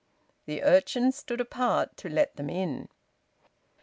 The urchins stood apart to let them in.